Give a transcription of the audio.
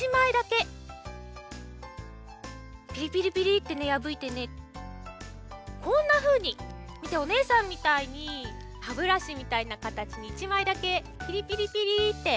そしたらねつぎねこんなふうにみておねえさんみたいに歯ブラシみたいなかたちに１まいだけピリピリピリッて。